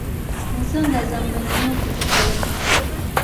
Enzonga zammwe nnina okuzikolako.